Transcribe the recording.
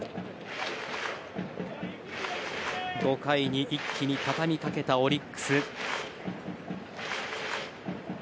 ５回に一気にたたみかけたオリックス。